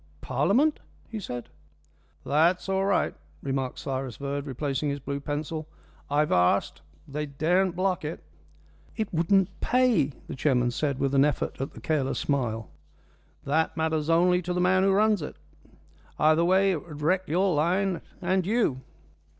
"Parliament?" he said. "That's all right," remarked Cyrus Verd, replacing his blue pencil. "I've asked. They daren't block it." "It wouldn't pay," the chairman said, with an effort at the careless smile. "That matters only to the man who runs it. Either way it would wreck your line and you.